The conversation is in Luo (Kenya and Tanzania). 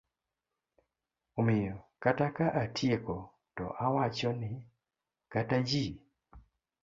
Omiyo kata ka atieko to awacho ni kata ji